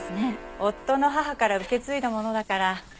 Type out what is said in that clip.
夫の母から受け継いだものだから。